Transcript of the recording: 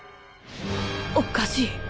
おかしい。